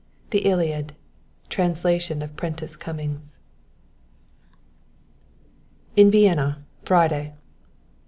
The Iliad: Translation of Prentiss Cummings. "In Vienna, Friday!"